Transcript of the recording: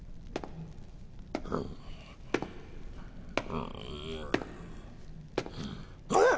うん？あっ！